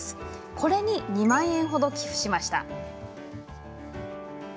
これに２万円ほど寄付しました。